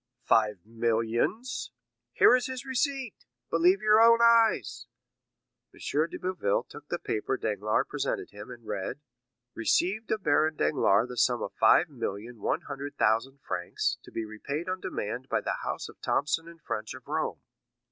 "Five millions!" "Here is his receipt. Believe your own eyes." M. de Boville took the paper Danglars presented him, and read: "Received of Baron Danglars the sum of five million one hundred thousand francs, to be repaid on demand by the house of Thomson & French of Rome."